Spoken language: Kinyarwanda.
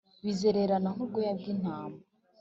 bizererana nk’ubwoya bw’intama.